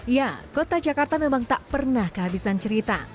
ya kota jakarta memang tak pernah kehabisan cerita